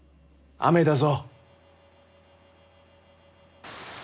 雨だぞ！